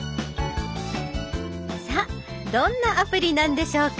さあどんなアプリなんでしょうか？